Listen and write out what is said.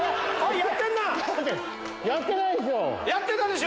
やってたでしょ！